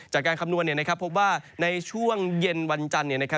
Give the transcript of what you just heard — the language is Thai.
คำนวณพบว่าในช่วงเย็นวันจันทร์